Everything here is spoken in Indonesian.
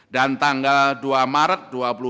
dan tanggal dua maret dua ribu dua puluh